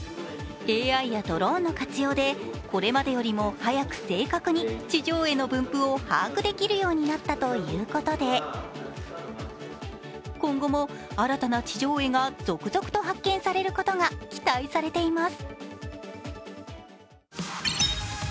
早く正確に地上絵の分布を把握できるようになったということで今後も新たな地上絵が続々と発見されることが期待されています。